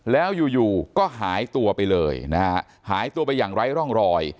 แล้วอยู่อยู่ก็หายตัวไปเลยนะฮะหายตัวไปอย่างไร้ร่องรอย